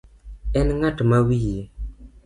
En ng'at ma wiye